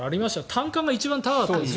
単価が一番高かったです。